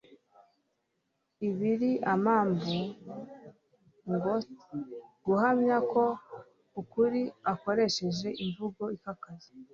Ibiri amambu yongcye guhamya uko kuri akoresheje imvugo ikakaye,